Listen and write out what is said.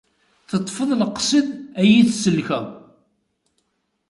Teṭṭfeḍ leqsed ad iyi-tsellkeḍ.